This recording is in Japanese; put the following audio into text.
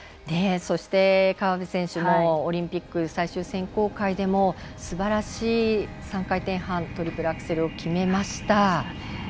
そして、河辺選手もオリンピック最終選考会でもすばらしい３回転半トリプルアクセルを決めました。